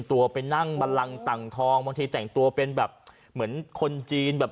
ตัวไปนั่งบันลังต่างทองบางทีแต่งตัวเป็นแบบเหมือนคนจีนแบบ